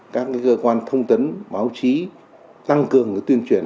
các cơ quan thông tấn báo chí tăng cường tuyên truyền